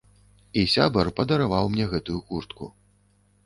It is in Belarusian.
І сябар падараваў мне гэтую куртку.